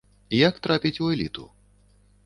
Як трапіць у эліту?